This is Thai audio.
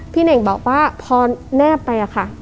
เน่งบอกว่าพอแนบไปอะค่ะ